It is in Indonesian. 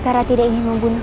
kamu semua bener bener